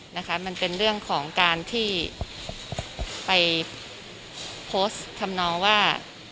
นะคะมันเป็นเรื่องของการที่ไปโพสต์ทำนองว่า